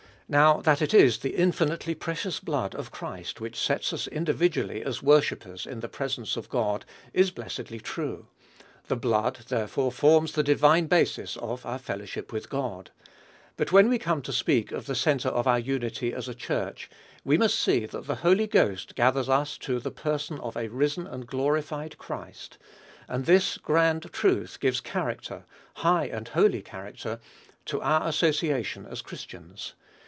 Now, that it is the infinitely precious blood of Christ which sets us individually as worshippers in the presence of God is blessedly true. The blood, therefore, forms the divine basis of our fellowship with God. But when we come to speak of the centre of our unity as a church, we must see that the Holy Ghost gathers us to the Person of a risen and glorified Christ; and this grand truth gives character high and holy character to our association as Christians.